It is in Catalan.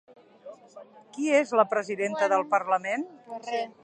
Qui és la presidenta del parlament?